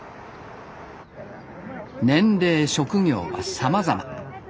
年齢職業はさまざま。